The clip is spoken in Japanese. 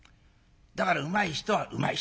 だからうまい人はうまい人。